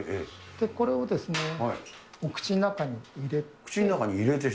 これをですね、お口の中に入れて。